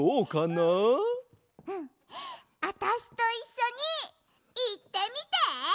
あたしといっしょにいってみて！